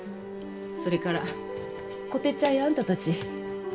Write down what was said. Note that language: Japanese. それからこてっちゃんやあんたたち。